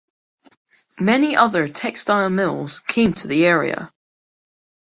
Many other textile mills came to the area.